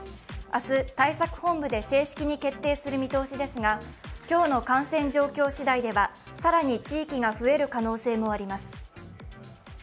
明日、対策本部で正式に決定する見通しですが今日の感染状況次第では、更に地域が増える可能性もあります。